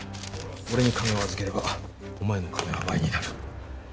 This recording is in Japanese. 俺に金を預ければお前の金は倍になる。